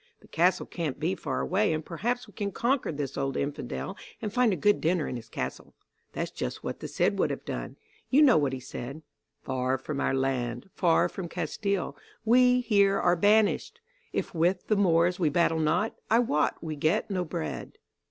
The castle can't be far away, and perhaps we can conquer this old Infidel and find a good dinner in his castle. That 's just what the Cid would have done. You know what he said: "'Far from our land, far from Castile We here are banished; If with the Moors we battle not, I wot we get no bread.